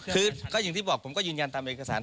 คือก็อย่างที่บอกผมก็ยืนยันตามเอกสาร